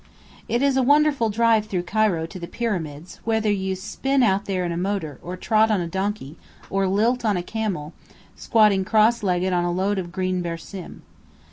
It is a wonderful drive through Cairo to the Pyramids, whether you spin out there in a motor, or trot on a donkey, or lilt on a camel, squatting cross legged on a load of green bersím.